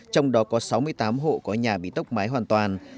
trong đó có sáu mươi tám hộ có nhà bị tốc mái hoàn toàn